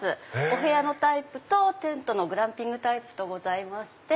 お部屋のタイプとテントのグランピングタイプとございます。